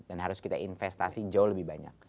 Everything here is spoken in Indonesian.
dan harus kita investasi jauh lebih banyak